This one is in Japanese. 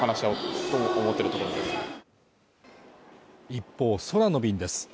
一方、空の便です